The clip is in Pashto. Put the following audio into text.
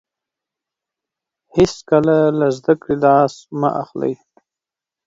هیڅکله له زده کړې لاس مه اخلئ.